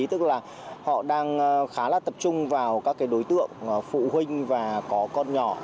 tức là họ đang khá là tập trung vào các đối tượng phụ huynh và có con nhỏ